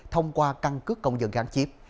thông qua căn cứ công dân gắn chiếp